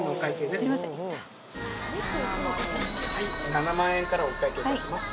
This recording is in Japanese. ７万円からお会計いたします。